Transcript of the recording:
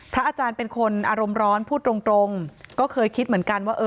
อาจารย์เป็นคนอารมณ์ร้อนพูดตรงก็เคยคิดเหมือนกันว่า